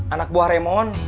anak buah remon